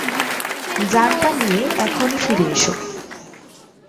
যানটা নিয়ে এখনই ফিরে এসো।